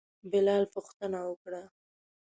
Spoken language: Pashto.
بلال پوښتنه وکړه.